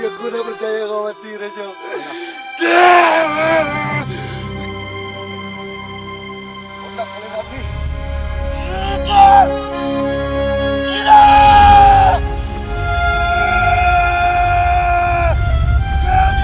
aku tak percaya kau lewati